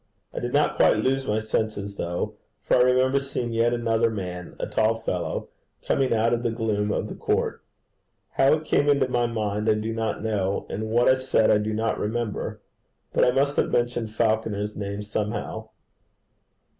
I did not quite lose my senses, though, for I remember seeing yet another man a tall fellow, coming out of the gloom of the court. How it came into my mind, I do not know, and what I said I do not remember, but I must have mentioned Falconer's name somehow.